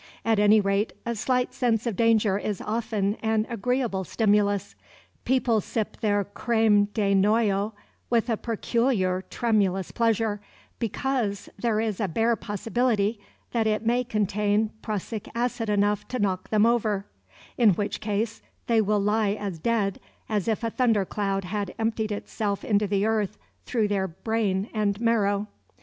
At any rate, a slight sense of danger is often an agreeable stimulus. People sip their creme de noyau with a peculiar tremulous pleasure, because there is a bare possibility that it may contain prussic acid enough to knock them over; in which case they will lie as dead as if a thunder cloud had emptied itself into the earth through their brain and marrow.